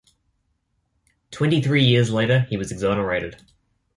Twenty-three years later he was exonerated.